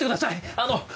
あの！